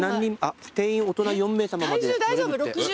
定員大人４名さままで乗れるって。